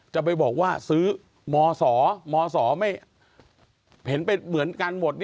จะไปบอกว่าซื้อหมอสอหมอสอเห็นเป็นเหมือนกันหมด